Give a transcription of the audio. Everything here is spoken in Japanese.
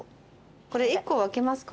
これ１個を分けますか？